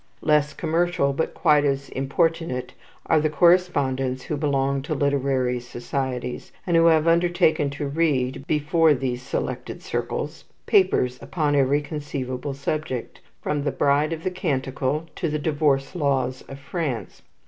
Less commercial, but quite as importunate, are the correspondents who belong to literary societies, and who have undertaken to read, before these select circles, papers upon every conceivable subject, from the Bride of the Canticle to the divorce laws of France.